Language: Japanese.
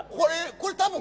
これ多分。